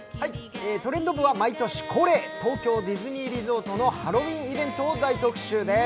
「トレンド部」は毎年恒例東京ディズニーリゾートのハロウィーンイベントを大特集です。